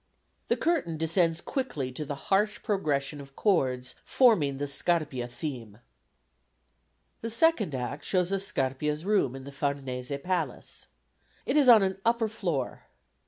The curtain descends quickly to the harsh progression of chords forming the Scarpia theme. The second act shows us Scarpia's room in the Farnese Palace. It is on an upper floor.